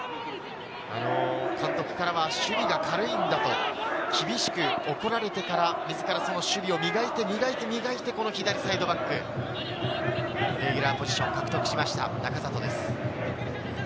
監督からは守備が軽いんだと厳しく怒られてから自らその守備を磨いて、その左サイドバック、レギュラーポジションを獲得しました、仲里です。